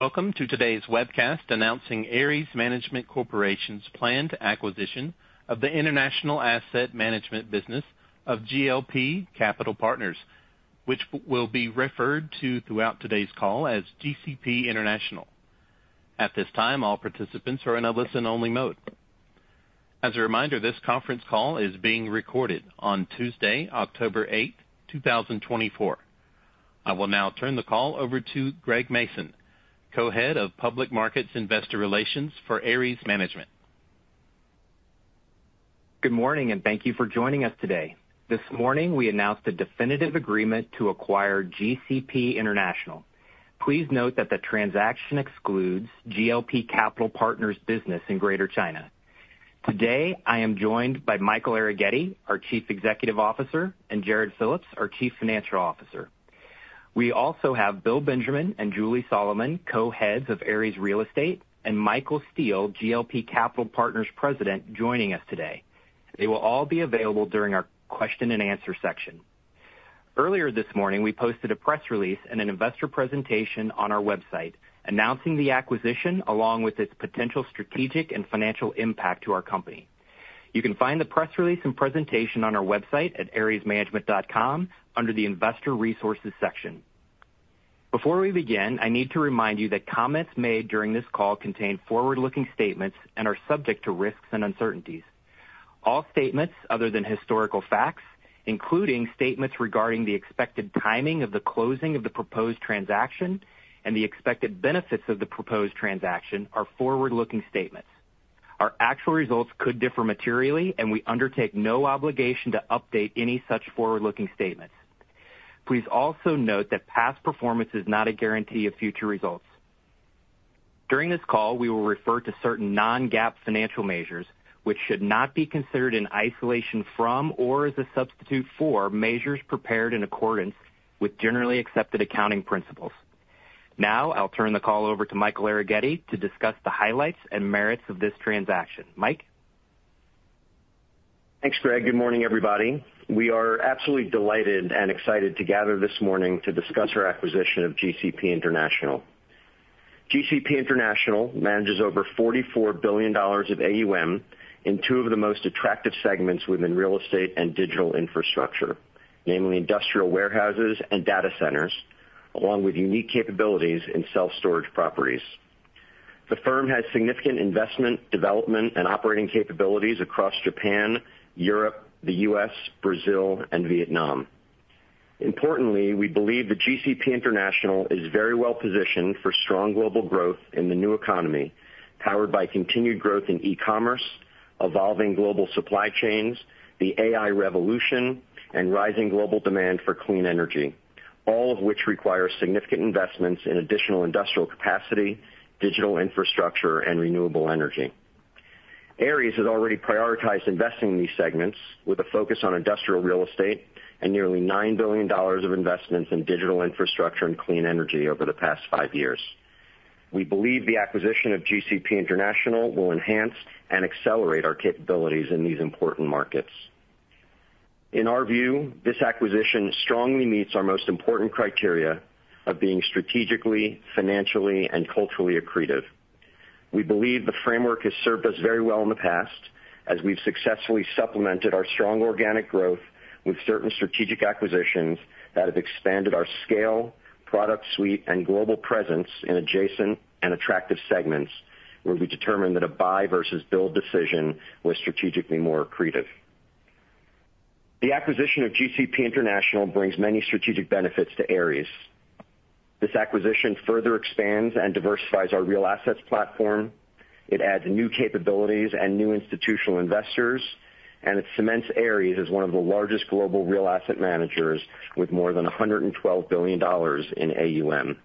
Welcome to today's webcast, announcing Ares Management Corporation's planned acquisition of the International Asset Management business of GLP Capital Partners, which will be referred to throughout today's call as GCP International. At this time, all participants are in a listen-only mode. As a reminder, this conference call is being recorded on Tuesday, October eighth, two thousand and twenty-four. I will now turn the call over to Greg Mason, Co-Head of Public Markets Investor Relations for Ares Management. Good morning, and thank you for joining us today. This morning, we announced a definitive agreement to acquire GCP International. Please note that the transaction excludes GLP Capital Partners business in Greater China. Today, I am joined by Michael Arougheti, our Chief Executive Officer, and Jarrod Phillips, our Chief Financial Officer. We also have Bill Benjamin and Julie Solomon, Co-Heads of Ares Real Estate, and Michael Steele, GLP Capital Partners President, joining us today. They will all be available during our question and answer section. Earlier this morning, we posted a press release and an investor presentation on our website, announcing the acquisition, along with its potential strategic and financial impact to our company. You can find the press release and presentation on our website at aresmanagement.com, under the Investor Resources section. Before we begin, I need to remind you that comments made during this call contain forward-looking statements and are subject to risks and uncertainties. All statements other than historical facts, including statements regarding the expected timing of the closing of the proposed transaction and the expected benefits of the proposed transaction, are forward-looking statements. Our actual results could differ materially, and we undertake no obligation to update any such forward-looking statements. Please also note that past performance is not a guarantee of future results. During this call, we will refer to certain non-GAAP financial measures, which should not be considered in isolation from or as a substitute for measures prepared in accordance with generally accepted accounting principles. Now, I'll turn the call over to Michael Arougheti, to discuss the highlights and merits of this transaction. Mike? Thanks, Greg. Good morning, everybody. We are absolutely delighted and excited to gather this morning to discuss our acquisition of GCP International. GCP International manages over $44 billion of AUM in two of the most attractive segments within real estate and digital infrastructure, namely industrial warehouses and data centers, along with unique capabilities in self-storage properties. The firm has significant investment, development, and operating capabilities across Japan, Europe, the U.S., Brazil, and Vietnam. Importantly, we believe that GCP International is very well positioned for strong global growth in the new economy, powered by continued growth in e-commerce, evolving global supply chains, the AI revolution, and rising global demand for clean energy, all of which require significant investments in additional industrial capacity, digital infrastructure, and renewable energy. Ares has already prioritized investing in these segments with a focus on industrial real estate and nearly $9 billion of investments in digital infrastructure and clean energy over the past five years. We believe the acquisition of GCP International will enhance and accelerate our capabilities in these important markets. In our view, this acquisition strongly meets our most important criteria of being strategically, financially, and culturally accretive. We believe the framework has served us very well in the past, as we've successfully supplemented our strong organic growth with certain strategic acquisitions that have expanded our scale, product suite, and global presence in adjacent and attractive segments, where we determined that a buy versus build decision was strategically more accretive. The acquisition of GCP International brings many strategic benefits to Ares. This acquisition further expands and diversifies our real assets platform. It adds new capabilities and new institutional investors, and it cements Ares as one of the largest global real asset managers with more than $112 billion in AUM.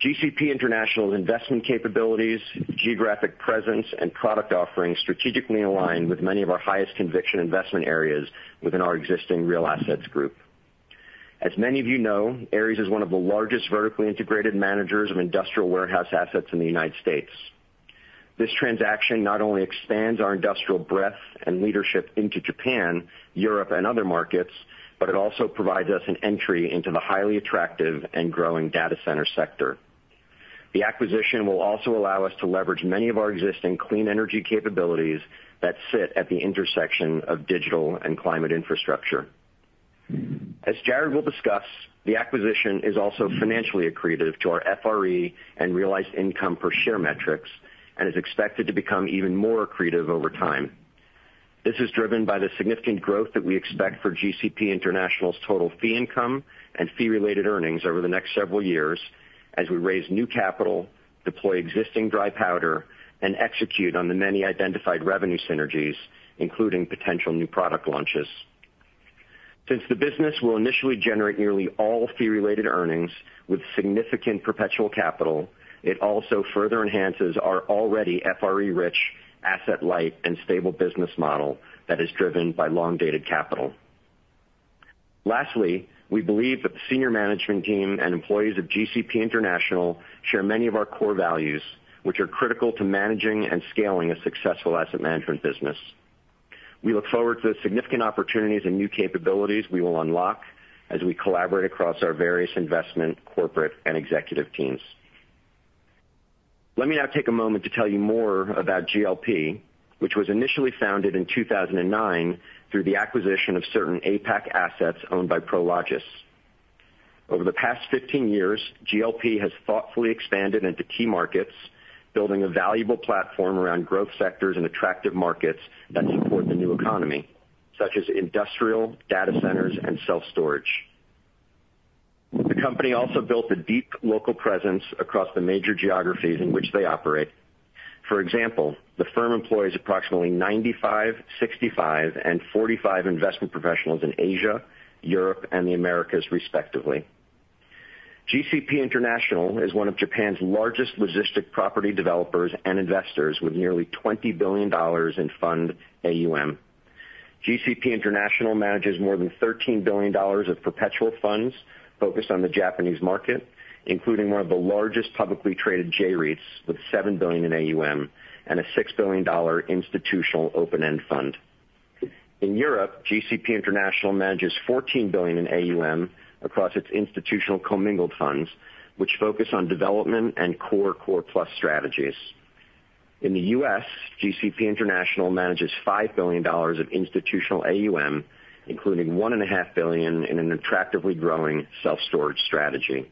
GCP International's investment capabilities, geographic presence, and product offerings strategically align with many of our highest conviction investment areas within our existing real assets group. As many of you know, Ares is one of the largest vertically integrated managers of industrial warehouse assets in the United States. This transaction not only expands our industrial breadth and leadership into Japan, Europe, and other markets, but it also provides us an entry into the highly attractive and growing data center sector. The acquisition will also allow us to leverage many of our existing clean energy capabilities that sit at the intersection of digital and climate infrastructure. As Jarrod will discuss, the acquisition is also financially accretive to our FRE and realized income per share metrics, and is expected to become even more accretive over time. This is driven by the significant growth that we expect for GCP International's total fee income and fee-related earnings over the next several years as we raise new capital, deploy existing dry powder, and execute on the many identified revenue synergies, including potential new product launches. Since the business will initially generate nearly all fee-related earnings with significant perpetual capital, it also further enhances our already FRE-rich, asset-light, and stable business model that is driven by long-dated capital. Lastly, we believe that the senior management team and employees of GCP International share many of our core values, which are critical to managing and scaling a successful asset management business. We look forward to the significant opportunities and new capabilities we will unlock as we collaborate across our various investment, corporate, and executive teams. Let me now take a moment to tell you more about GLP, which was initially founded in 2009 through the acquisition of certain APAC assets owned by Prologis. Over the past 15 years, GLP has thoughtfully expanded into key markets, building a valuable platform around growth sectors and attractive markets that support the new economy, such as industrial, data centers, and self-storage. The company also built a deep local presence across the major geographies in which they operate. For example, the firm employs approximately 95, 65, and 45 investment professionals in Asia, Europe, and the Americas, respectively. GCP International is one of Japan's largest logistics property developers and investors, with nearly $20 billion in fund AUM. GCP International manages more than $13 billion of perpetual funds focused on the Japanese market, including one of the largest publicly traded J-REITs, with $7 billion in AUM and a $6 billion institutional open-end fund. In Europe, GCP International manages $14 billion in AUM across its institutional commingled funds, which focus on development and core, core plus strategies. In the U.S., GCP International manages $5 billion of institutional AUM, including $1.5 billion in an attractively growing self-storage strategy.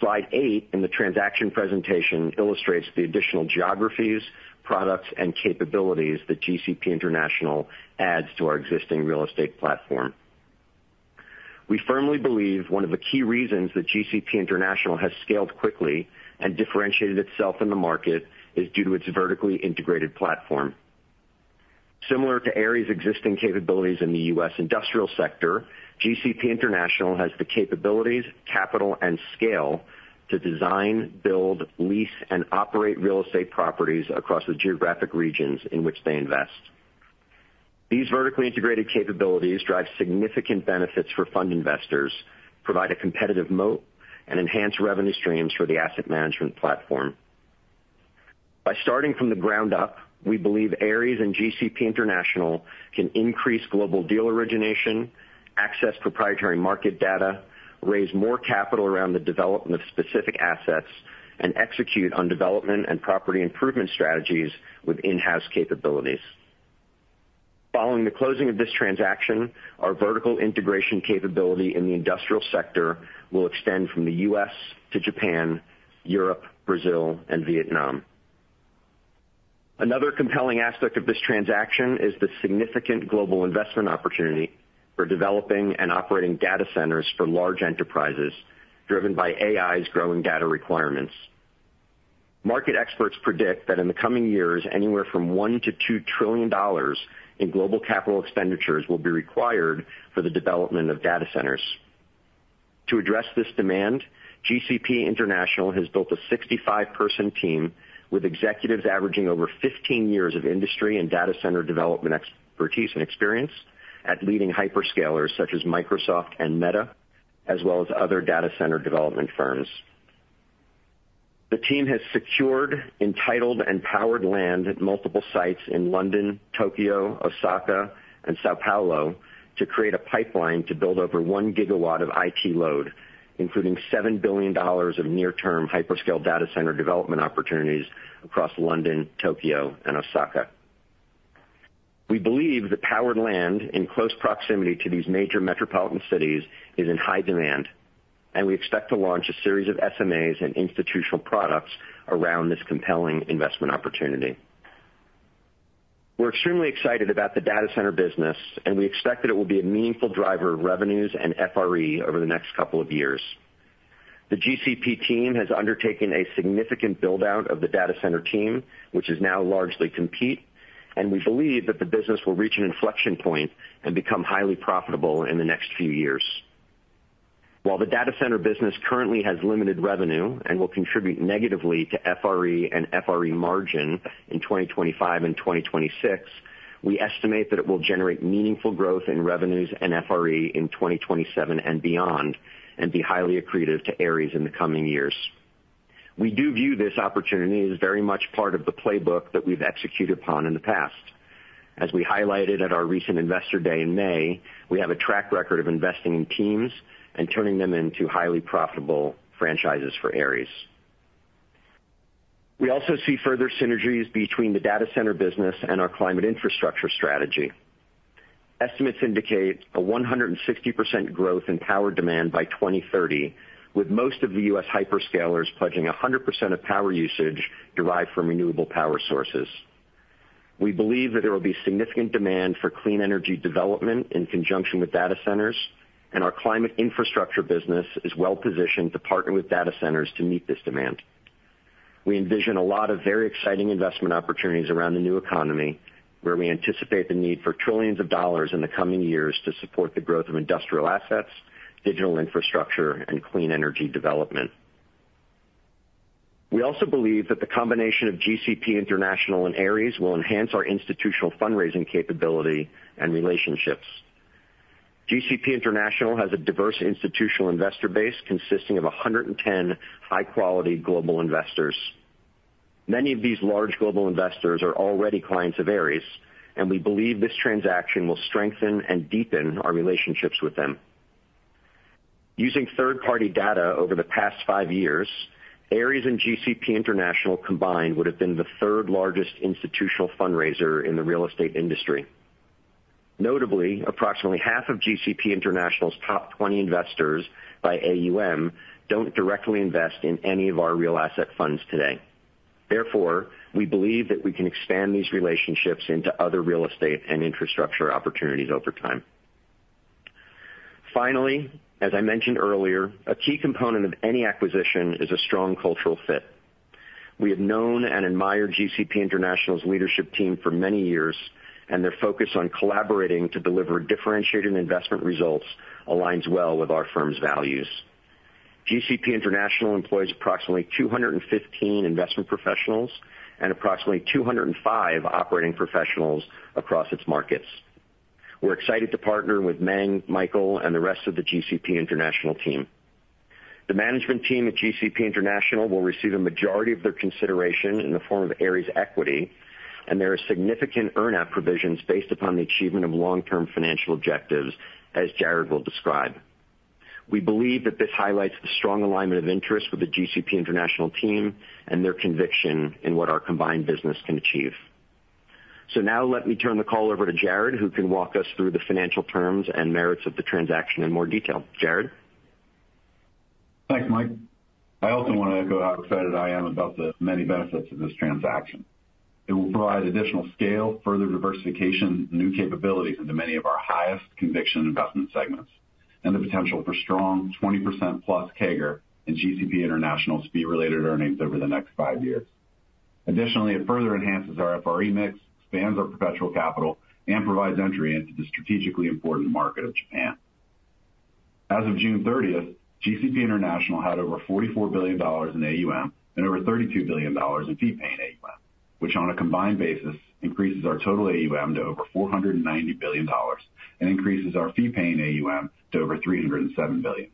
Slide eight in the transaction presentation illustrates the additional geographies, products, and capabilities that GCP International adds to our existing real estate platform. We firmly believe one of the key reasons that GCP International has scaled quickly and differentiated itself in the market is due to its vertically integrated platform. Similar to Ares' existing capabilities in the U.S. industrial sector, GCP International has the capabilities, capital, and scale to design, build, lease, and operate real estate properties across the geographic regions in which they invest. These vertically integrated capabilities drive significant benefits for fund investors, provide a competitive moat, and enhance revenue streams for the asset management platform. By starting from the ground up, we believe Ares and GCP International can increase global deal origination, access proprietary market data, raise more capital around the development of specific assets, and execute on development and property improvement strategies with in-house capabilities. Following the closing of this transaction, our vertical integration capability in the industrial sector will extend from the U.S. to Japan, Europe, Brazil, and Vietnam. Another compelling aspect of this transaction is the significant global investment opportunity for developing and operating data centers for large enterprises, driven by AI's growing data requirements. Market experts predict that in the coming years, anywhere from $1-$2 trillion in global capital expenditures will be required for the development of data centers. To address this demand, GCP International has built a 65-person team, with executives averaging over 15 years of industry and data center development expertise and experience at leading hyperscalers such as Microsoft and Meta, as well as other data center development firms. The team has secured entitled and powered land at multiple sites in London, Tokyo, Osaka, and São Paulo to create a pipeline to build over 1 gigawatt of IT load, including $7 billion of near-term hyperscale data center development opportunities across London, Tokyo, and Osaka. We believe that powered land in close proximity to these major metropolitan cities is in high demand, and we expect to launch a series of SMAs and institutional products around this compelling investment opportunity. We're extremely excited about the data center business, and we expect that it will be a meaningful driver of revenues and FRE over the next couple of years. The GCP team has undertaken a significant build-out of the data center team, which is now largely complete, and we believe that the business will reach an inflection point and become highly profitable in the next few years. While the data center business currently has limited revenue and will contribute negatively to FRE and FRE margin in 2025 and 2026, we estimate that it will generate meaningful growth in revenues and FRE in 2027 and beyond, and be highly accretive to Ares in the coming years. We do view this opportunity as very much part of the playbook that we've executed upon in the past. As we highlighted at our recent Investor Day in May, we have a track record of investing in teams and turning them into highly profitable franchises for Ares. We also see further synergies between the data center business and our climate infrastructure strategy. Estimates indicate a 160% growth in power demand by 2030, with most of the U.S. hyperscalers pledging 100% of power usage derived from renewable power sources. We believe that there will be significant demand for clean energy development in conjunction with data centers, and our climate infrastructure business is well positioned to partner with data centers to meet this demand. We envision a lot of very exciting investment opportunities around the new economy, where we anticipate the need for trillions of dollars in the coming years to support the growth of industrial assets, digital infrastructure, and clean energy development. We also believe that the combination of GCP International and Ares will enhance our institutional fundraising capability and relationships. GCP International has a diverse institutional investor base consisting of 110 high-quality global investors. Many of these large global investors are already clients of Ares, and we believe this transaction will strengthen and deepen our relationships with them. Using third-party data over the past five years, Ares and GCP International combined would have been the third-largest institutional fundraiser in the real estate industry. Notably, approximately half of GCP International's top twenty investors by AUM don't directly invest in any of our real asset funds today. Therefore, we believe that we can expand these relationships into other real estate and infrastructure opportunities over time. Finally, as I mentioned earlier, a key component of any acquisition is a strong cultural fit. We have known and admired GCP International's leadership team for many years, and their focus on collaborating to deliver differentiated investment results aligns well with our firm's values. GCP International employs approximately two hundred and fifteen investment professionals and approximately two hundred and five operating professionals across its markets. We're excited to partner with Ming, Michael, and the rest of the GCP International team. The management team at GCP International will receive a majority of their consideration in the form of Ares equity, and there are significant earn-out provisions based upon the achievement of long-term financial objectives, as Jarrod will describe. We believe that this highlights the strong alignment of interest with the GCP International team and their conviction in what our combined business can achieve. So now let me turn the call over to Jarrod, who can walk us through the financial terms and merits of the transaction in more detail. Jarrod? Thanks, Mike. I also want to echo how excited I am about the many benefits of this transaction. It will provide additional scale, further diversification, new capabilities into many of our highest conviction investment segments, and the potential for strong 20% plus CAGR in GCP International's fee-related earnings over the next five years. Additionally, it further enhances our FRE mix, expands our perpetual capital, and provides entry into the strategically important market of Japan. As of June thirtieth, GCP International had over $44 billion in AUM and over $32 billion in fee-paying AUM, which on a combined basis, increases our total AUM to over $490 billion and increases our fee-paying AUM to over $307 billion.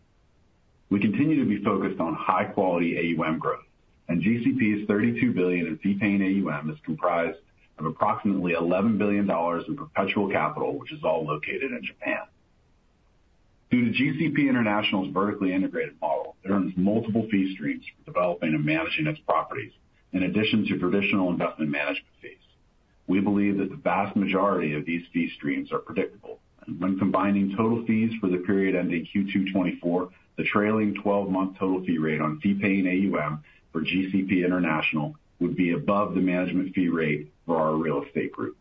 We continue to be focused on high-quality AUM growth, and GCP's 32 billion in fee-paying AUM is comprised of approximately $11 billion in perpetual capital, which is all located in Japan. Due to GCP International's vertically integrated model, it earns multiple fee streams for developing and managing its properties, in addition to traditional investment management fees. We believe that the vast majority of these fee streams are predictable, and when combining total fees for the period ending Q2 2024, the trailing twelve-month total fee rate on fee-paying AUM for GCP International would be above the management fee rate for our real estate group.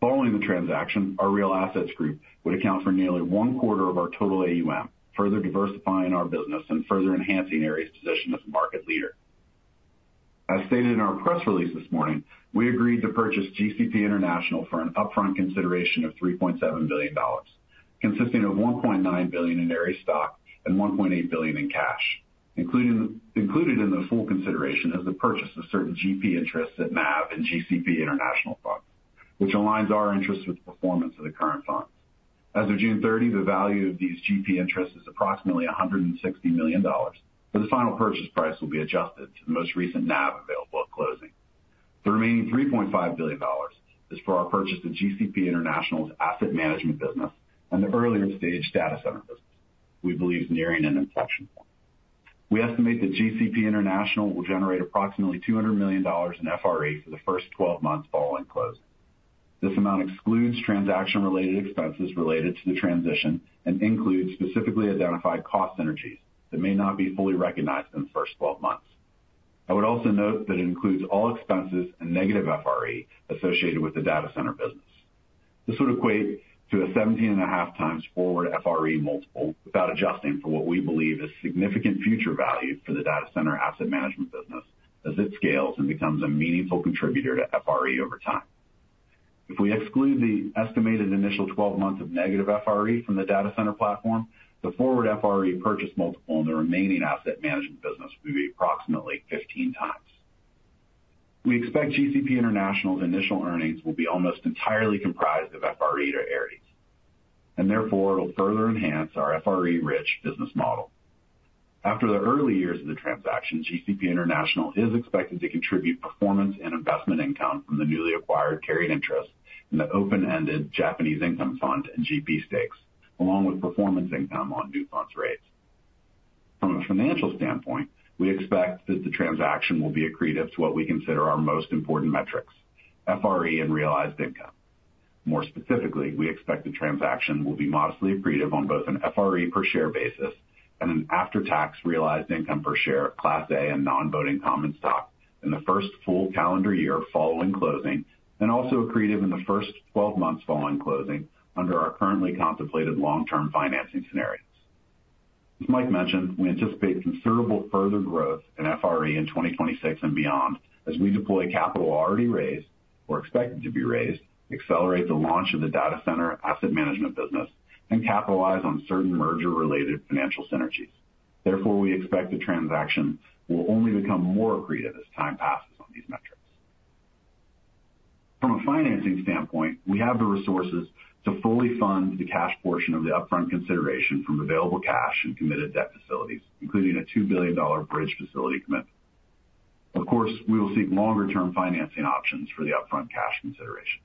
Following the transaction, our real assets group would account for nearly one quarter of our total AUM, further diversifying our business and further enhancing Ares' position as a market leader. As stated in our press release this morning, we agreed to purchase GCP International for an upfront consideration of $3.7 billion, consisting of $1.9 billion in Ares stock and $1.8 billion in cash. Included in the full consideration is the purchase of certain GP interests at NAV in GCP International funds, which aligns our interests with the performance of the current funds. As of June 30, the value of these GP interests is approximately $160 million, but the final purchase price will be adjusted to the most recent NAV available at closing. The remaining $3.5 billion is for our purchase of GCP International's asset management business and the earlier-stage data center business we believe is nearing an inflection point. We estimate that GCP International will generate approximately $200 million in FRE for the first 12 months following closing. This amount excludes transaction-related expenses related to the transition and includes specifically identified cost synergies that may not be fully recognized in the first 12 months. I would also note that it includes all expenses and negative FRE associated with the data center business. This would equate to a 17.5 times forward FRE multiple without adjusting for what we believe is significant future value for the data center asset management business as it scales and becomes a meaningful contributor to FRE over time. If we exclude the estimated initial 12 months of negative FRE from the data center platform, the forward FRE purchase multiple in the remaining asset management business will be approximately 15 times. We expect GCP International's initial earnings will be almost entirely comprised of FRE to Ares, and therefore, it'll further enhance our FRE-rich business model. After the early years of the transaction, GCP International is expected to contribute performance and investment income from the newly acquired carried interest in the open-ended Japanese income fund and GP stakes, along with performance income on new funds raised. From a financial standpoint, we expect that the transaction will be accretive to what we consider our most important metrics, FRE and realized income. More specifically, we expect the transaction will be modestly accretive on both an FRE per share basis and an after-tax realized income per share, Class A and Non-Voting Common Stock in the first full calendar year following closing, and also accretive in the first twelve months following closing under our currently contemplated long-term financing scenarios. As Mike mentioned, we anticipate considerable further growth in FRE in 2026 and beyond as we deploy capital already raised or expected to be raised, accelerate the launch of the data center asset management business, and capitalize on certain merger-related financial synergies. Therefore, we expect the transaction will only become more accretive as time passes on these metrics. From a financing standpoint, we have the resources to fully fund the cash portion of the upfront consideration from available cash and committed debt facilities, including a $2 billion bridge facility commitment. Of course, we will seek longer-term financing options for the upfront cash consideration.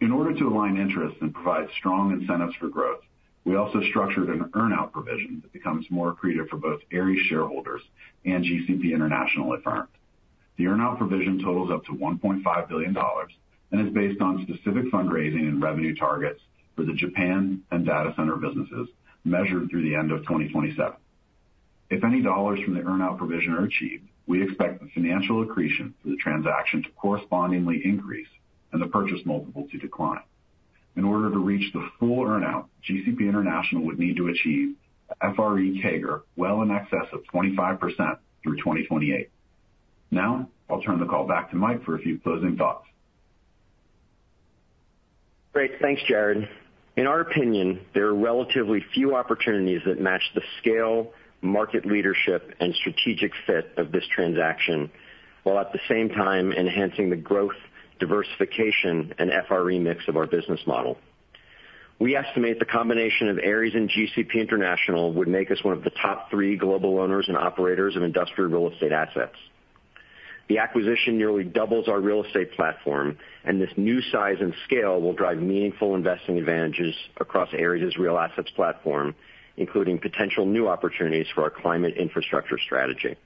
In order to align interests and provide strong incentives for growth, we also structured an earn-out provision that becomes more accretive for both Ares shareholders and GCP International at firm. The earn-out provision totals up to $1.5 billion and is based on specific fundraising and revenue targets for the Japan and data center businesses, measured through the end of 2027. If any dollars from the earn-out provision are achieved, we expect the financial accretion for the transaction to correspondingly increase and the purchase multiple to decline. In order to reach the full earn-out, GCP International would need to achieve a FRE CAGR well in excess of 25% through 2028. Now, I'll turn the call back to Mike for a few closing thoughts. Great. Thanks, Jarrod. In our opinion, there are relatively few opportunities that match the scale, market leadership, and strategic fit of this transaction, while at the same time enhancing the growth, diversification, and FRE mix of our business model. We estimate the combination of Ares and GCP International would make us one of the top three global owners and operators of industrial real estate assets. The acquisition nearly doubles our real estate platform, and this new size and scale will drive meaningful investing advantages across Ares' real assets platform, including potential new opportunities for our climate infrastructure strategy.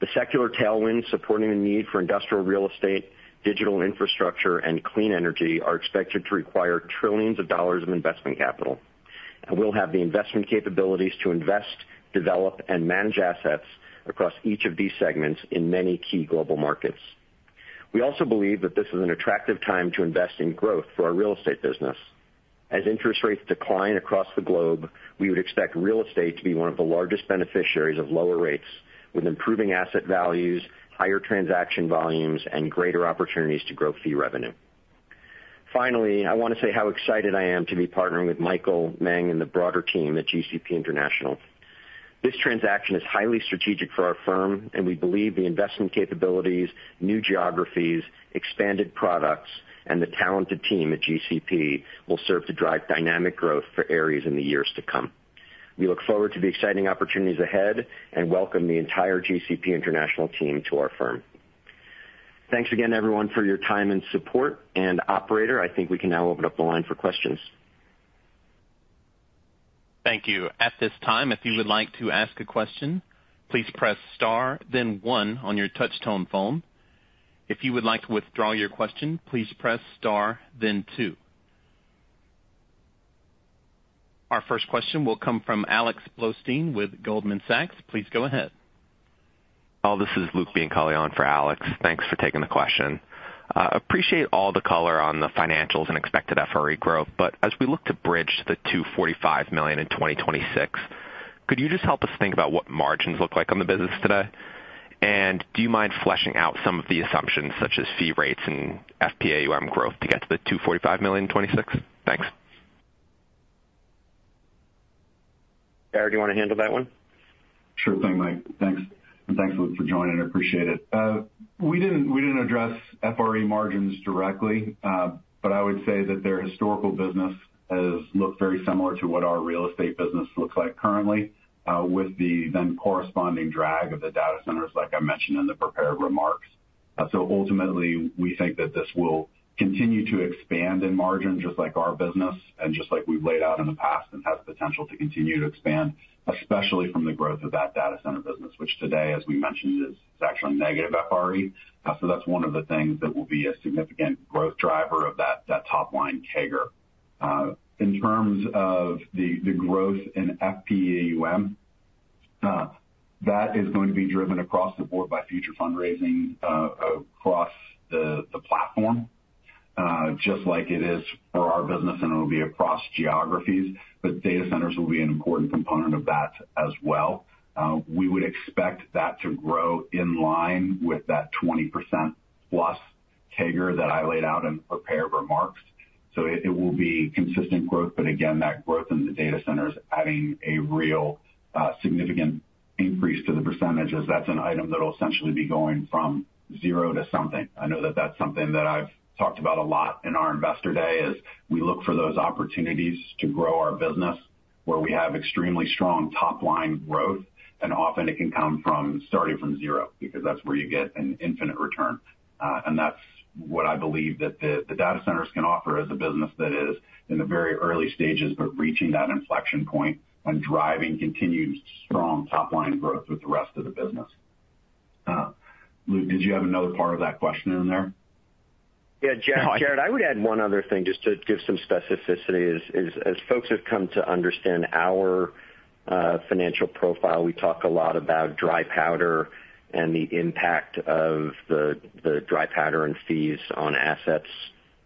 The secular tailwinds supporting the need for industrial real estate, digital infrastructure, and clean energy are expected to require trillions of dollars of investment capital, and we'll have the investment capabilities to invest, develop, and manage assets across each of these segments in many key global markets. We also believe that this is an attractive time to invest in growth for our real estate business. As interest rates decline across the globe, we would expect real estate to be one of the largest beneficiaries of lower rates, with improving asset values, higher transaction volumes, and greater opportunities to grow fee revenue. Finally, I want to say how excited I am to be partnering with Michael, Ming and the broader team at GCP International. This transaction is highly strategic for our firm, and we believe the investment capabilities, new geographies, expanded products, and the talented team at GCP will serve to drive dynamic growth for Ares in the years to come. We look forward to the exciting opportunities ahead and welcome the entire GCP International team to our firm. Thanks again, everyone, for your time and support. Operator, I think we can now open up the line for questions. Thank you. At this time, if you would like to ask a question, please press star then one on your touch-tone phone. If you would like to withdraw your question, please press star then two. Our first question will come from Alex Blostein with Goldman Sachs. Please go ahead. Oh, this is Luke Bianculli for Alex. Thanks for taking the question. Appreciate all the color on the financials and expected FRE growth, but as we look to bridge the $245 million in 2026, could you just help us think about what margins look like on the business today, and do you mind fleshing out some of the assumptions, such as fee rates and FPAUM growth, to get to the $245 million in 2026? Thanks. Jarrod, do you want to handle that one? Sure thing, Mike. Thanks, and thanks for joining. I appreciate it. We didn't address FRE margins directly, but I would say that their historical business has looked very similar to what our real estate business looks like currently, with the then corresponding drag of the data centers, like I mentioned in the prepared remarks. So ultimately, we think that this will continue to expand in margin, just like our business and just like we've laid out in the past, and has the potential to continue to expand, especially from the growth of that data center business, which today, as we mentioned, is actually negative FRE. So that's one of the things that will be a significant growth driver of that top-line CAGR. In terms of the growth in FPAUM, that is going to be driven across the board by future fundraising across the platform, just like it is for our business, and it will be across geographies, but data centers will be an important component of that as well. We would expect that to grow in line with that 20% plus CAGR that I laid out in prepared remarks. So it will be consistent growth, but again, that growth in the data centers adding a real significant increase to the percentages. That's an item that'll essentially be going from zero to something. I know that that's something that I've talked about a lot in our Investor Day, is we look for those opportunities to grow our business where we have extremely strong top-line growth, and often it can come from starting from zero, because that's where you get an infinite return. And that's what I believe that the, the data centers can offer as a business that is in the very early stages, but reaching that inflection point and driving continued strong top-line growth with the rest of the business. Luke, did you have another part of that question in there? Yeah, Jarrod, I would add one other thing, just to give some specificity. As folks have come to understand our financial profile, we talk a lot about dry powder and the impact of the dry powder and fees on assets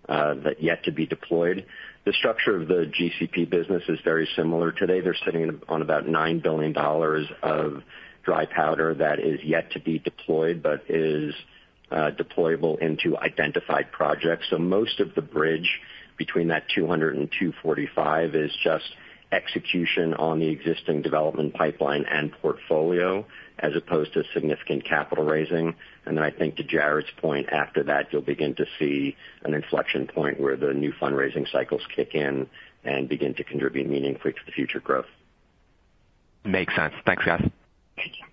that yet to be deployed. The structure of the GCP business is very similar. Today, they're sitting on about $9 billion of dry powder that is yet to be deployed, but is deployable into identified projects. So most of the bridge between that 200-245 is just execution on the existing development pipeline and portfolio, as opposed to significant capital raising. And then I think to Jarrod's point, after that, you'll begin to see an inflection point where the new fundraising cycles kick in and begin to contribute meaningfully to the future growth. Makes sense. Thanks, guys. Thank you.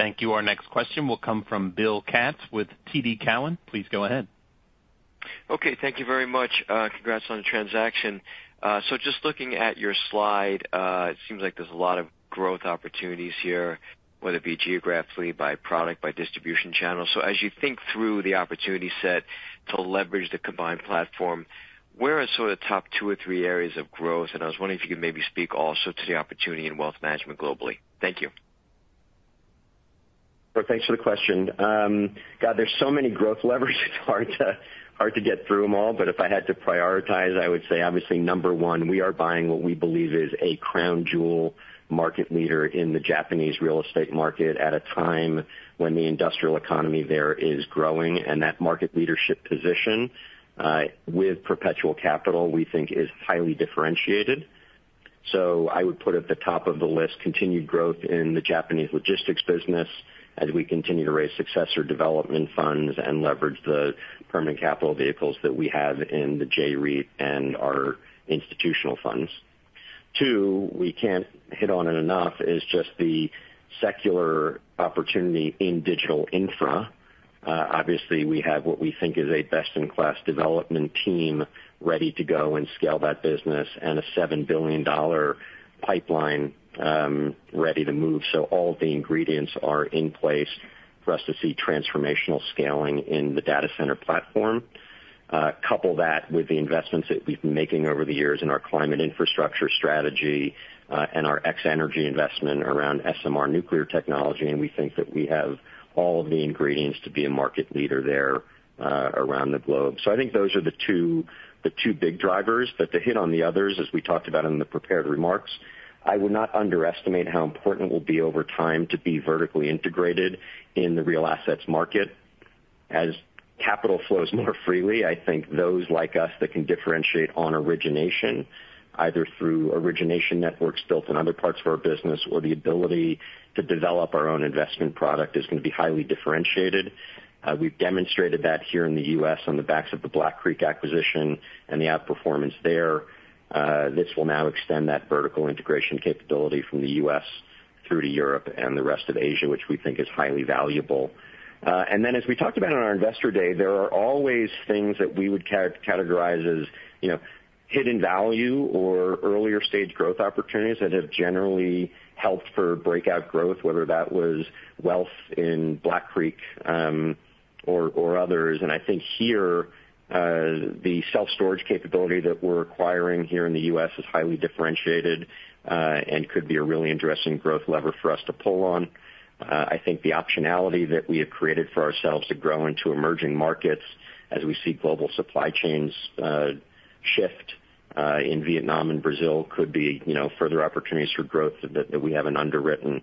Our next question will come from Bill Katz with TD Cowen. Please go ahead. Okay, thank you very much. Congrats on the transaction. So just looking at your slide, it seems like there's a lot of growth opportunities here, whether it be geographically, by product, by distribution channel. So as you think through the opportunity set to leverage the combined platform, where are sort of the top two or three areas of growth? And I was wondering if you could maybe speak also to the opportunity in wealth management globally. Thank you. Thanks for the question. God, there's so many growth levers, it's hard to get through them all, but if I had to prioritize, I would say, obviously, number one, we are buying what we believe is a crown jewel market leader in the Japanese real estate market at a time when the industrial economy there is growing, and that market leadership position with perpetual capital, we think is highly differentiated, so I would put at the top of the list, continued growth in the Japanese logistics business as we continue to raise successor development funds and leverage the permanent capital vehicles that we have in the J-REIT and our institutional funds. Two, we can't hit on it enough, is just the secular opportunity in digital infra. Obviously, we have what we think is a best-in-class development team ready to go and scale that business and a $7 billion pipeline, ready to move. So all the ingredients are in place for us to see transformational scaling in the data center platform. Couple that with the investments that we've been making over the years in our climate infrastructure strategy, and our X-energy investment around SMR nuclear technology, and we think that we have all of the ingredients to be a market leader there, around the globe. So I think those are the two, the two big drivers. But to hit on the others, as we talked about in the prepared remarks, I would not underestimate how important it will be over time to be vertically integrated in the real assets market. As capital flows more freely, I think those like us that can differentiate on origination, either through origination networks built in other parts of our business, or the ability to develop our own investment product, is going to be highly differentiated. We've demonstrated that here in the U.S. on the backs of the Black Creek acquisition and the outperformance there. This will now extend that vertical integration capability from the U.S. through to Europe and the rest of Asia, which we think is highly valuable. And then, as we talked about on our Investor Day, there are always things that we would categorize as, you know, hidden value or earlier stage growth opportunities that have generally helped for breakout growth, whether that was wealth in Black Creek, or others. And I think here, the self-storage capability that we're acquiring here in the U.S. is highly differentiated, and could be a really interesting growth lever for us to pull on. I think the optionality that we have created for ourselves to grow into emerging markets as we see global supply chains shift in Vietnam and Brazil could be, you know, further opportunities for growth that we haven't underwritten.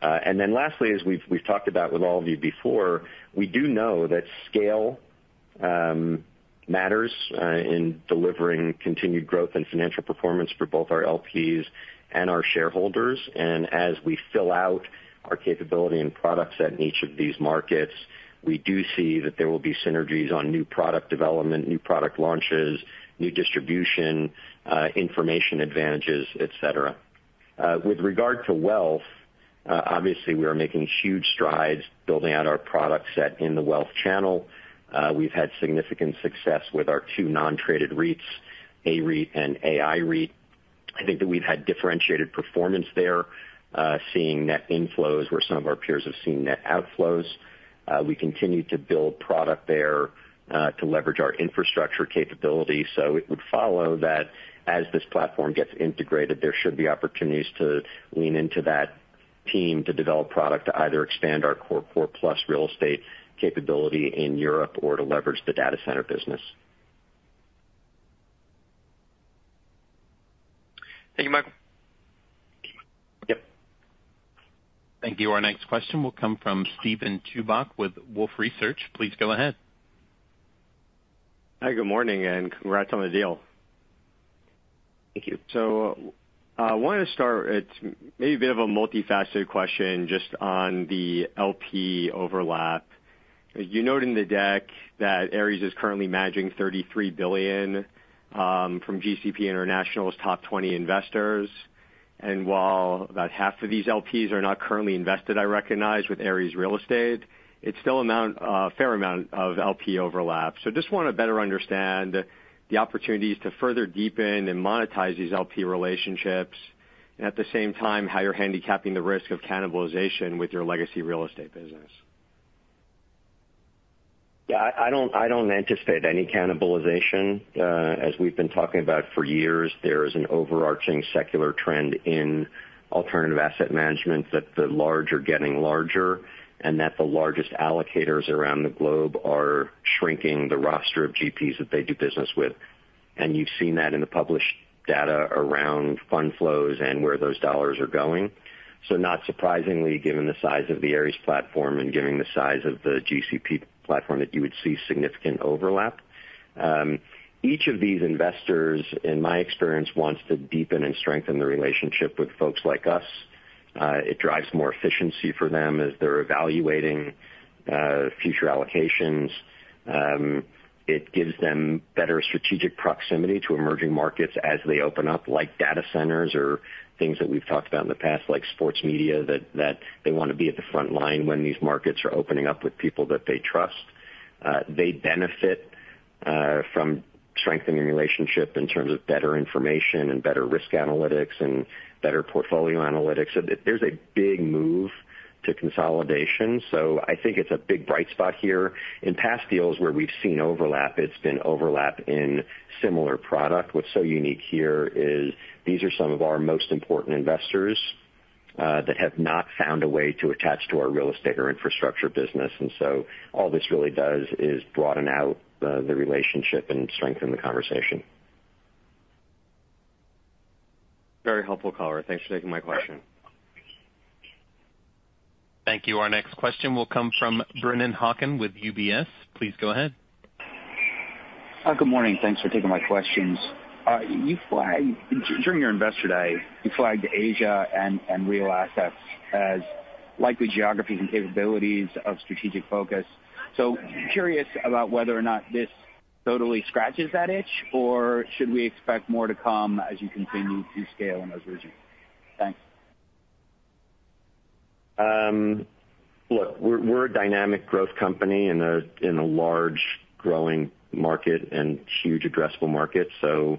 And then lastly, as we've talked about with all of you before, we do know that scale matters in delivering continued growth and financial performance for both our LPs and our shareholders. And as we fill out our capability and product set in each of these markets, we do see that there will be synergies on new product development, new product launches, new distribution, information advantages, et cetera. With regard to wealth, obviously, we are making huge strides building out our product set in the wealth channel. We've had significant success with our two non-traded REITs, AREIT and AIREIT. I think that we've had differentiated performance there, seeing net inflows where some of our peers have seen net outflows. We continue to build product there, to leverage our infrastructure capability. So it would follow that as this platform gets integrated, there should be opportunities to lean into that team to develop product to either expand our core, core plus real estate capability in Europe or to leverage the data center business. Thank you, Michael. Yep. Thank you. Our next question will come from Steven Chubak with Wolfe Research. Please go ahead. Hi, good morning, and congrats on the deal. Thank you. So I wanted to start with maybe a bit of a multifaceted question just on the LP overlap. You note in the deck that Ares is currently managing $33 billion from GCP International's top 20 investors, and while about half of these LPs are not currently invested, I recognize, with Ares Real Estate, it's still a fair amount of LP overlap. So just want to better understand the opportunities to further deepen and monetize these LP relationships, and at the same time, how you're handicapping the risk of cannibalization with your legacy real estate business. Yeah, I don't anticipate any cannibalization. As we've been talking about for years, there is an overarching secular trend in alternative asset management, that the large are getting larger, and that the largest allocators around the globe are shrinking the roster of GPs that they do business with. And you've seen that in the published data around fund flows and where those dollars are going. So not surprisingly, given the size of the Ares platform and given the size of the GCP platform, that you would see significant overlap. Each of these investors, in my experience, wants to deepen and strengthen the relationship with folks like us. It drives more efficiency for them as they're evaluating future allocations. It gives them better strategic proximity to emerging markets as they open up, like data centers or things that we've talked about in the past, like sports media, that they want to be at the front line when these markets are opening up with people that they trust. They benefit from strengthening the relationship in terms of better information and better risk analytics and better portfolio analytics. There's a big move to consolidation, so I think it's a big, bright spot here. In past deals where we've seen overlap, it's been overlap in similar product. What's so unique here is these are some of our most important investors that have not found a way to attach to our real estate or infrastructure business. And so all this really does is broaden out the relationship and strengthen the conversation. Very helpful, caller. Thanks for taking my question. Thank you. Our next question will come from Brennan Hawken with UBS. Please go ahead. Hi, good morning. Thanks for taking my questions. You flagged during your Investor Day Asia and real assets as likely geographies and capabilities of strategic focus. So curious about whether or not this totally scratches that itch, or should we expect more to come as you continue to scale in those regions? Thanks. Look, we're a dynamic growth company in a large growing market and huge addressable market, so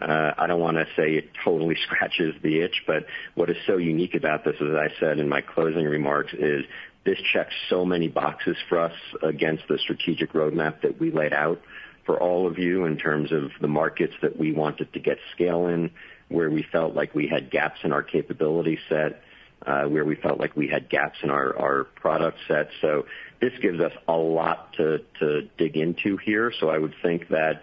I don't wanna say it totally scratches the itch, but what is so unique about this, as I said in my closing remarks, is this checks so many boxes for us against the strategic roadmap that we laid out for all of you in terms of the markets that we wanted to get scale in, where we felt like we had gaps in our capability set, where we felt like we had gaps in our product set. So this gives us a lot to dig into here. So I would think that,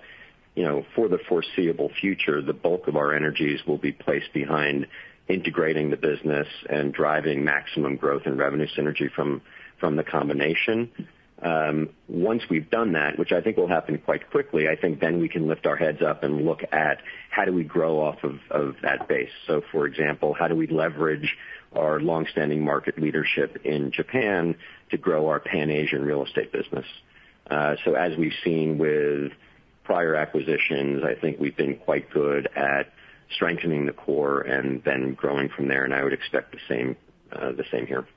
you know, for the foreseeable future, the bulk of our energies will be placed behind integrating the business and driving maximum growth and revenue synergy from the combination. Once we've done that, which I think will happen quite quickly, I think then we can lift our heads up and look at how do we grow off of that base. So for example, how do we leverage our long-standing market leadership in Japan to grow our Pan-Asian real estate business? So as we've seen with prior acquisitions, I think we've been quite good at strengthening the core and then growing from there, and I would expect the same here.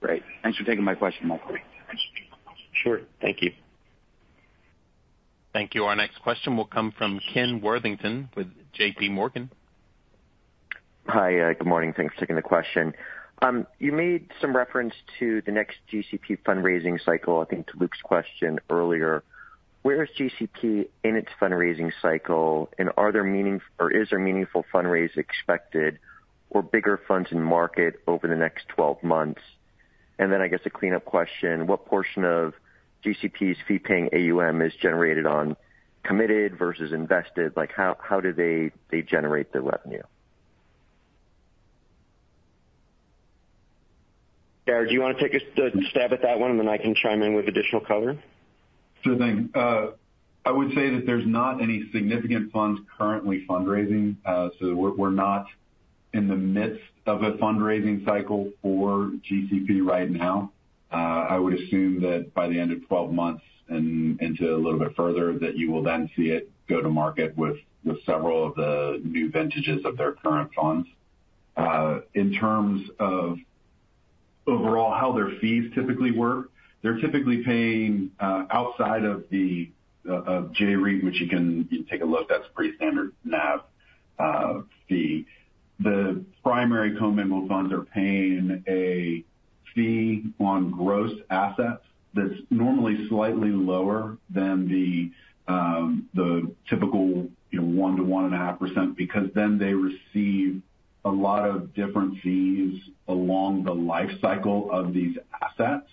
Great. Thanks for taking my question. Sure. Thank you. Thank you. Our next question will come from Ken Worthington with J.P. Morgan. Hi, good morning. Thanks for taking the question. You made some reference to the next GCP fundraising cycle, I think, to Luke's question earlier. Where is GCP in its fundraising cycle? And are there or is there meaningful fundraise expected or bigger funds in market over the next twelve months? And then, I guess, a cleanup question: What portion of GCP's fee-paying AUM is generated on committed versus invested? Like, how do they generate their revenue? Jarrod, do you wanna take a stab at that one, and then I can chime in with additional color? Sure thing. I would say that there's not any significant funds currently fundraising. So we're not in the midst of a fundraising cycle for GCP right now. I would assume that by the end of twelve months and into a little bit further, that you will then see it go to market with several of the new vintages of their current funds. In terms of overall, how their fees typically work, they're typically paying outside of the J-REIT, which you can take a look, that's a pretty standard NAV. The primary commingled funds are paying a fee on gross assets that's normally slightly lower than the typical, you know, 1%-1.5%, because then they receive a lot of different fees along the life cycle of these assets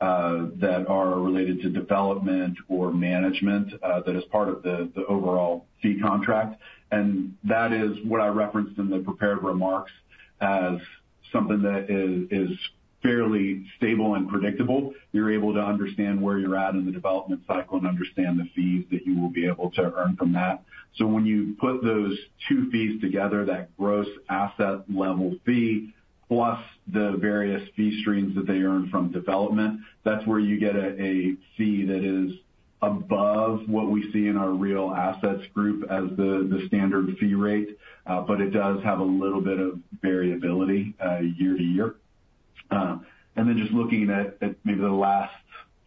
that are related to development or management that is part of the overall fee contract. That is what I referenced in the prepared remarks as something that is fairly stable and predictable. You're able to understand where you're at in the development cycle and understand the fees that you will be able to earn from that. So when you put those two fees together, that gross asset level fee, plus the various fee streams that they earn from development, that's where you get a fee that is above what we see in our real assets group as the standard fee rate. But it does have a little bit of variability year to year. And then just looking at maybe the last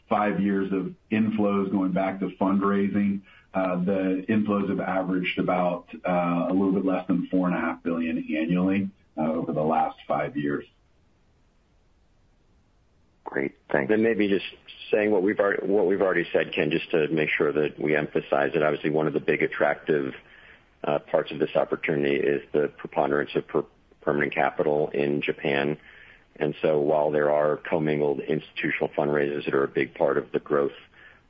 five years of inflows going back to fundraising, the inflows have averaged about a little bit less than $4.5 billion annually over the last five years. Great, thanks. And maybe just saying what we've already said, Ken, just to make sure that we emphasize it. Obviously, one of the big attractive parts of this opportunity is the preponderance of permanent capital in Japan. And so while there are commingled institutional fundraisers that are a big part of the growth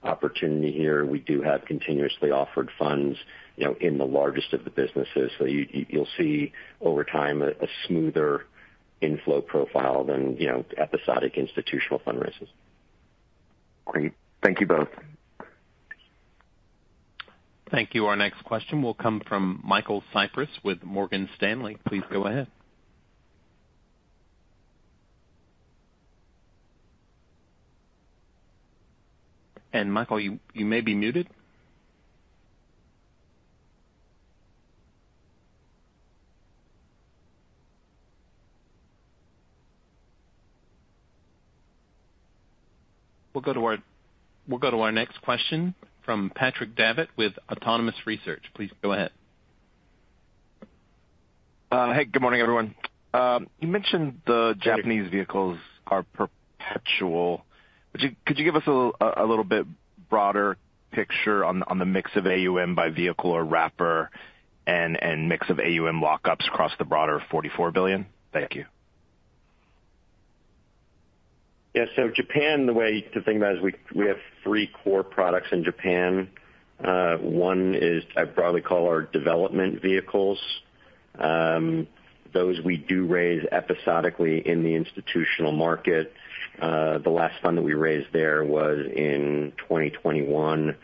opportunity here, we do have continuously offered funds, you know, in the largest of the businesses. So you'll see over time a smoother inflow profile than, you know, episodic institutional fundraisers. Great. Thank you both. Thank you. Our next question will come from Michael Cyprys with Morgan Stanley. Please go ahead. And Michael, you may be muted. We'll go to our next question from Patrick Davitt with Autonomous Research. Please go ahead. Hey, good morning, everyone. You mentioned the Japanese vehicles are perpetual. Could you give us a little bit broader picture on the mix of AUM by vehicle or wrapper and mix of AUM lockups across the broader $44 billion? Thank you. Yeah. So, Japan, the way to think about it is we have three core products in Japan. One is I'd broadly call our development vehicles. Those we do raise episodically in the institutional market. The last fund that we raised there was in 2021.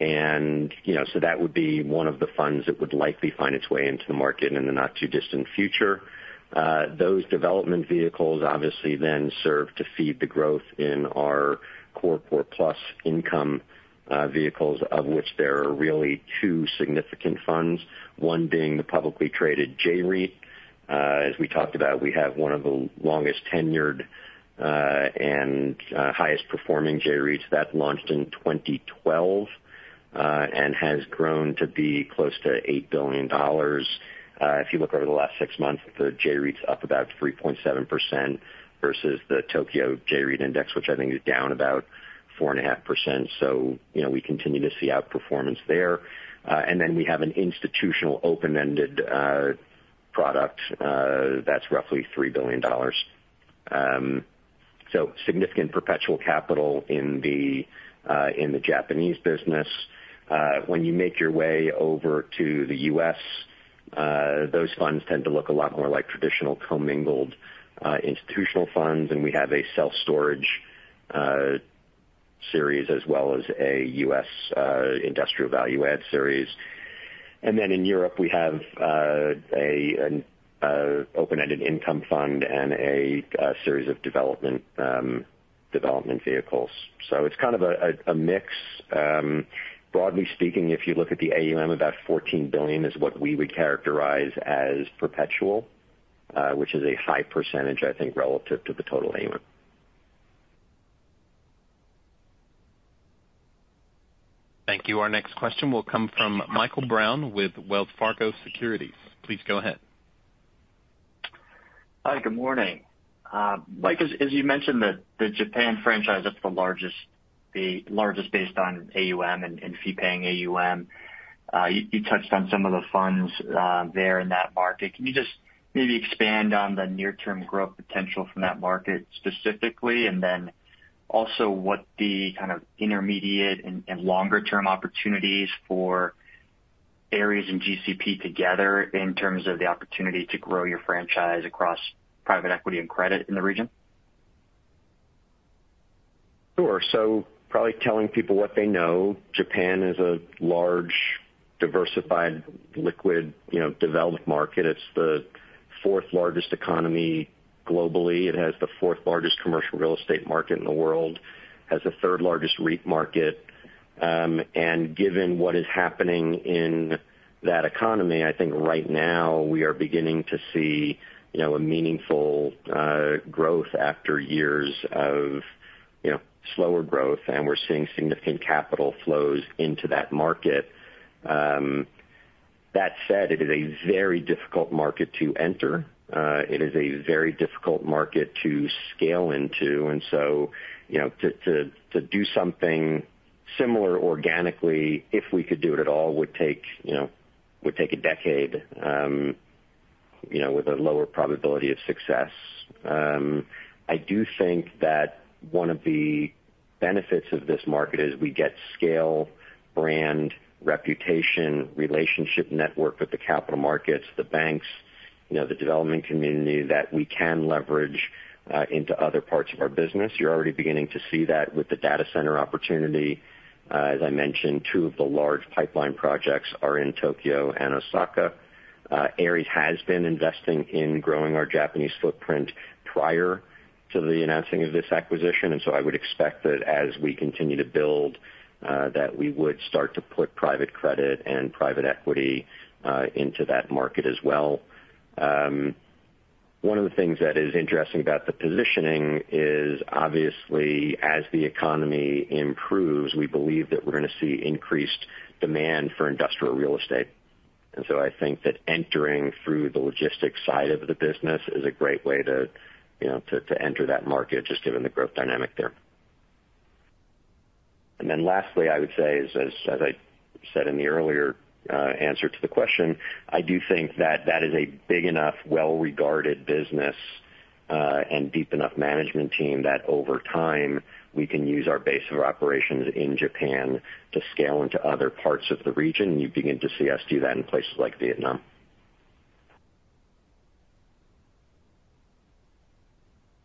And, you know, so that would be one of the funds that would likely find its way into the market in the not-too-distant future. Those development vehicles obviously then serve to feed the growth in our core plus income vehicles, of which there are really two significant funds, one being the publicly traded J-REIT. As we talked about, we have one of the longest-tenured and highest-performing J-REITs. That launched in 2012 and has grown to be close to $8 billion. If you look over the last six months, the J-REIT's up about 3.7% versus the Tokyo J-REIT Index, which I think is down about 4.5%, so you know, we continue to see outperformance there, and then we have an institutional open-ended product that's roughly $3 billion, so significant perpetual capital in the Japanese business. When you make your way over to the U.S., those funds tend to look a lot more like traditional commingled institutional funds, and we have a self-storage series, as well as a U.S. industrial value add series, and then in Europe, we have an open-ended income fund and a series of development vehicles, so it's kind of a mix. Broadly speaking, if you look at the AUM, about $14 billion is what we would characterize as perpetual, which is a high percentage, I think, relative to the total AUM. Thank you. Our next question will come from Michael Brown with Wells Fargo Securities. Please go ahead. Hi, good morning. Mike, as you mentioned, the Japan franchise, that's the largest based on AUM and fee-paying AUM. You touched on some of the funds there in that market. Can you just maybe expand on the near-term growth potential from that market specifically? And then also, what kind of intermediate and longer-term opportunities for Ares in GCP together in terms of the opportunity to grow your franchise across private equity and credit in the region? Sure. So probably telling people what they know, Japan is a large, diversified, liquid, you know, developed market. It's the fourth largest economy globally. It has the fourth largest commercial real estate market in the world, has the third largest REIT market, and given what is happening in that economy, I think right now we are beginning to see, you know, a meaningful growth after years of, you know, slower growth, and we're seeing significant capital flows into that market. That said, it is a very difficult market to enter. It is a very difficult market to scale into, and so, you know, to do something similar organically, if we could do it at all, would take, you know, would take a decade, you know, with a lower probability of success. I do think that one of the benefits of this market is we get scale, brand, reputation, relationship network with the capital markets, the banks, you know, the development community that we can leverage into other parts of our business. You're already beginning to see that with the data center opportunity. As I mentioned, two of the large pipeline projects are in Tokyo and Osaka. Ares has been investing in growing our Japanese footprint prior to the announcing of this acquisition, and so I would expect that as we continue to build, that we would start to put private credit and private equity into that market as well. One of the things that is interesting about the positioning is, obviously, as the economy improves, we believe that we're going to see increased demand for industrial real estate. And so I think that entering through the logistics side of the business is a great way to, you know, enter that market, just given the growth dynamic there. And then lastly, I would say is, as I said in the earlier answer to the question, I do think that that is a big enough, well-regarded business, and deep enough management team, that over time, we can use our base of operations in Japan to scale into other parts of the region. You begin to see us do that in places like Vietnam.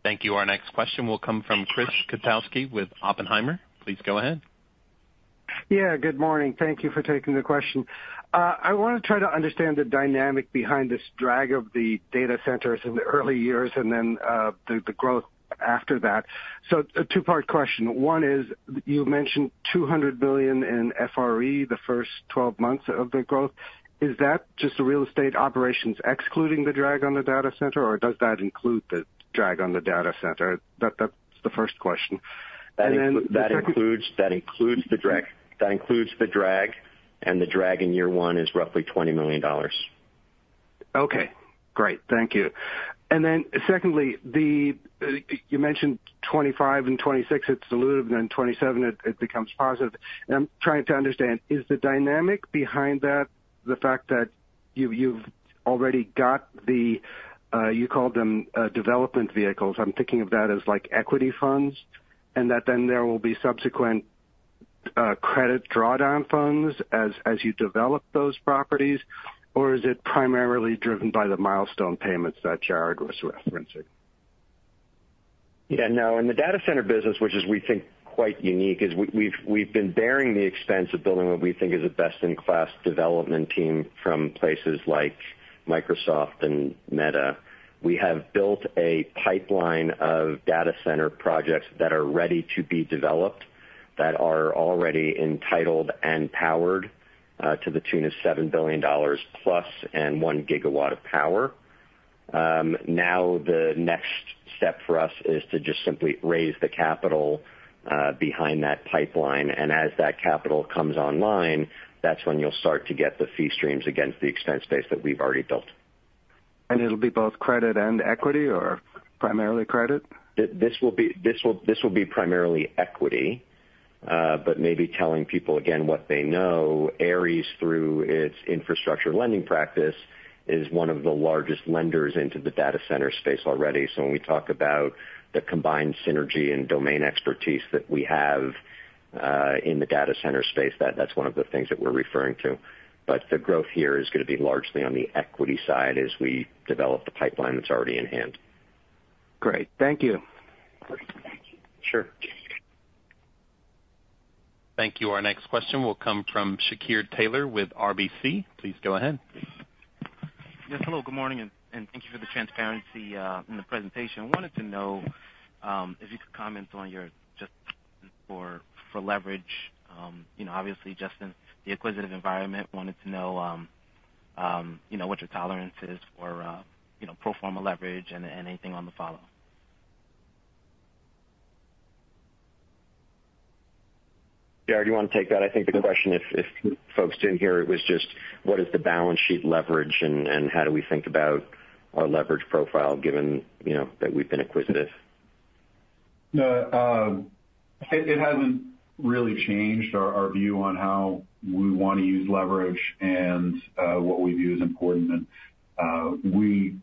Thank you. Our next question will come from Chris Kotowski with Oppenheimer. Please go ahead. Yeah, good morning. Thank you for taking the question. I want to try to understand the dynamic behind this drag of the data centers in the early years and then, the growth-... after that. So a two-part question. One is, you mentioned $200 billion in FRE the first 12 months of the growth. Is that just the real estate operations excluding the drag on the data center, or does that include the drag on the data center? That's the first question. That includes the drag, and the drag in year one is roughly $20 million. Okay, great. Thank you. And then secondly, the you mentioned twenty-five and twenty-six, it's dilutive, and then twenty-seven it becomes positive. And I'm trying to understand, is the dynamic behind that the fact that you've already got the you called them development vehicles. I'm thinking of that as like equity funds, and that then there will be subsequent credit drawdown funds as you develop those properties, or is it primarily driven by the milestone payments that Jarrod was referencing? Yeah, no. In the data center business, which we think is quite unique, we've been bearing the expense of building what we think is a best-in-class development team from places like Microsoft and Meta. We have built a pipeline of data center projects that are ready to be developed, that are already entitled and powered to the tune of $7 billion plus and 1 gigawatt of power. Now, the next step for us is to just simply raise the capital behind that pipeline, and as that capital comes online, that's when you'll start to get the fee streams against the expense base that we've already built. It'll be both credit and equity or primarily credit? This will be primarily equity, but maybe telling people again what they know, Ares, through its infrastructure lending practice, is one of the largest lenders into the data center space already. So when we talk about the combined synergy and domain expertise that we have, in the data center space, that's one of the things that we're referring to. But the growth here is gonna be largely on the equity side as we develop the pipeline that's already in hand. Great. Thank you. Sure. Thank you. Our next question will come from Shakir Taylor with RBC. Please go ahead. Yes, hello, good morning, and thank you for the transparency in the presentation. I wanted to know if you could comment on your just for leverage, you know, obviously just in the acquisitive environment, wanted to know you know what your tolerance is for you know pro forma leverage and anything on the follow. Jarrod, do you want to take that? I think the question, if folks didn't hear it, was just what is the balance sheet leverage and how do we think about our leverage profile, given, you know, that we've been acquisitive? It hasn't really changed our view on how we want to use leverage and what we view as important. We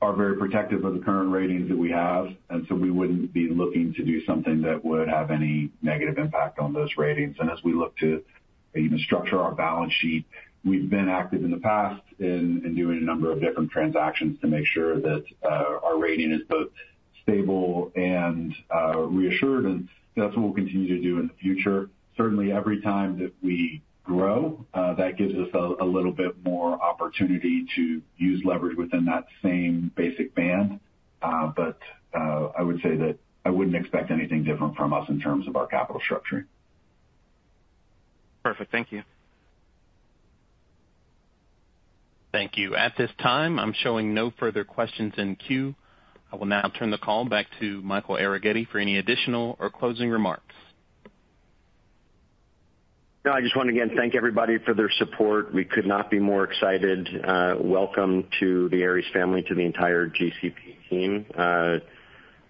are very protective of the current ratings that we have, and so we wouldn't be looking to do something that would have any negative impact on those ratings, and as we look to even structure our balance sheet, we've been active in the past in doing a number of different transactions to make sure that our rating is both stable and reassured, and that's what we'll continue to do in the future. Certainly, every time that we grow, that gives us a little bit more opportunity to use leverage within that same basic band, but I would say that I wouldn't expect anything different from us in terms of our capital structuring. Perfect. Thank you. Thank you. At this time, I'm showing no further questions in queue. I will now turn the call back to Michael Arougheti for any additional or closing remarks. No, I just want to again thank everybody for their support. We could not be more excited. Welcome to the Ares family, to the entire GCP team.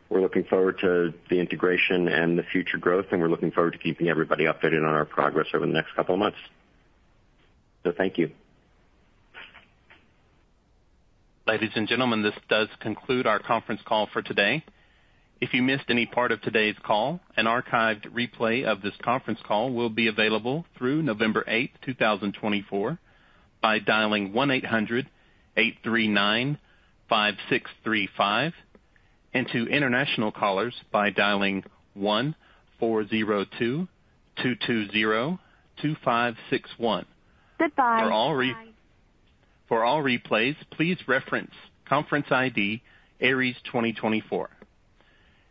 We're looking forward to the integration and the future growth, and we're looking forward to keeping everybody updated on our progress over the next couple of months. So thank you. Ladies and gentlemen, this does conclude our conference call for today. If you missed any part of today's call, an archived replay of this conference call will be available through November eighth, two thousand twenty-four, by dialing one-eight hundred-eight three nine-five six three five, and to international callers by dialing one four zero two two zero five six one. Goodbye. For all replays, please reference conference ID Ares 2024.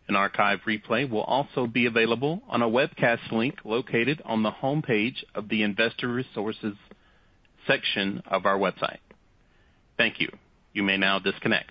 An archive replay will also be available on a webcast link located on the homepage of the Investor Resources section of our website. Thank you. You may now disconnect.